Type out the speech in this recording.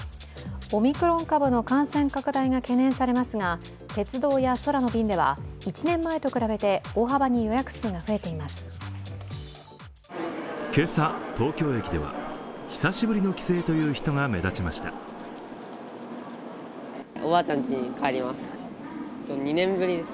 オミクロン株の感染拡大が懸念されますが鉄道や空の便では１年前と比べて、大幅に予約数が増えています。